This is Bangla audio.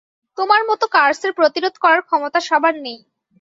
তোমার মতো কার্সের প্রতিরোধ করার ক্ষমতা সবার নেই।